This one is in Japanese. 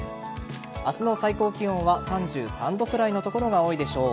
明日の最高気温は３３度くらいの所が多いでしょう。